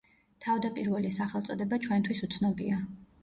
თავდაპირველი სახელწოდება ჩვენთვის უცნობია.